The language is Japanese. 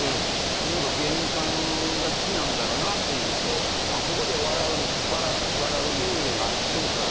何か芸人さんが好きなんだろうなっていうのとここで笑うのってセンスあるなとか。